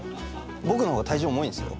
僕の方が体重重いんですよ。